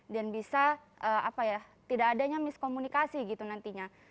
dan bisa apa ya tidak adanya miskomunikasi gitu nantinya